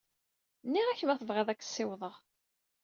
Nniɣ-ak ma tebɣiḍ ad k-ssiwḍeɣ.